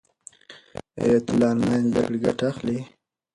آیا ته له انلاین زده کړې ګټه اخلې؟